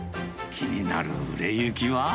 気になる売れ行きは。